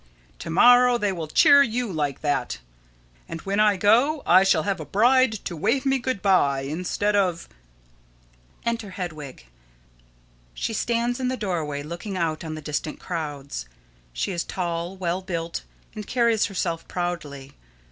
_] To morrow they will cheer you like that; and when I go, I shall have a bride to wave me good by instead of [Enter Hedwig. _She stands in the doorway, looking out on the distant crowds. She is tall, well built, and carries herself proudly.